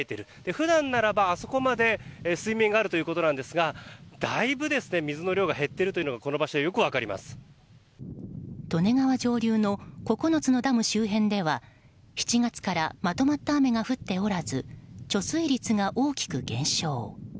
普段ならばあそこまで水面があるということですがだいぶ水の量が減っているというのが利根川上流の９つのダム周辺では７月からまとまった雨が降っておらず貯水率が大きく減少。